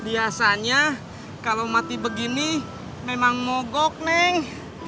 biasanya kalau mati begini memang mogok neng